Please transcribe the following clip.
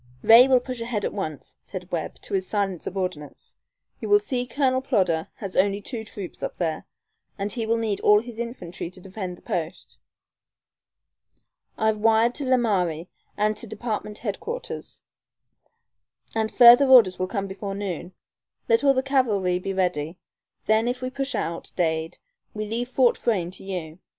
"Ray will push ahead at once," said Webb, to his silent subordinates. "You see Colonel Plodder has only two troops up there, and he will need all his infantry to defend the post. I've wired to Laramie and to Department Headquarters, and further orders will come before noon. Let all the cavalry be ready. Then if we push out, Dade, we leave Fort Frayne to you.